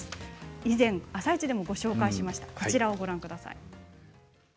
以前「あさイチ」でもご紹介しました。